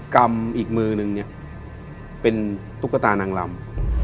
กำอีกมือนึงเป็นตุ๊กตานางลำ